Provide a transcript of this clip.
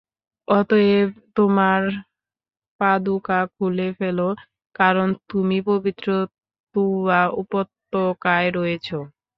অতএব তোমার পাদুকা খুলে ফেল, কারণ তুমি পবিত্র তুওয়া উপত্যকায় রয়েছ।